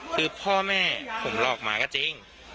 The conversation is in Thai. คือพ่อแม่ผมหลอกมาก็จริง